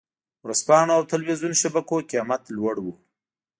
ورځپاڼو او ټلویزیون شبکو قېمت لوړ و.